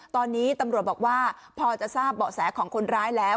ตอนนี้ตำรวจบอกว่าพอจะทราบเบาะแสของคนร้ายแล้ว